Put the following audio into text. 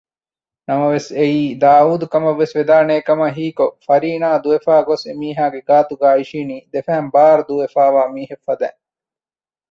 ނަމަވެސް އެއީ ދާއޫދުކަމަށްވެސް ވެދާނޭކަމަށް ހީކޮށް ފަރީނާ ދުވެފައިގޮސް އެމީހާގެ ގާތުގައި އިށީނީ ދެފައިން ބާރުދޫވެފައިވާ މީހެއް ފަދައިން